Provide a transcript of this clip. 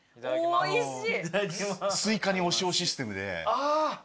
おいしい。